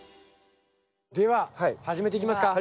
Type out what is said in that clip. では始めていきますか？